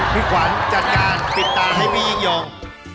พี่ขวัญจัดการปิดตาให้พี่ยิ่งยง